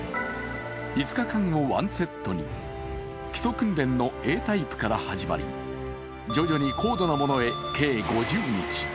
５日間を１セットに基礎訓練のＡタイプから始まり徐々に高度なものへ計５０日。